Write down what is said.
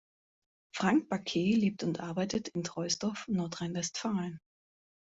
Frank Baquet lebt und arbeitet in Troisdorf, Nordrhein-Westfalen.